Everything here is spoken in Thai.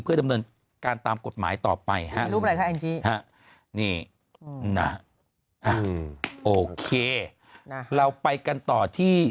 เพื่อดำเนินการตามกฎหมายต่อไปฮะนี่นะโอเคเราไปกันต่อที่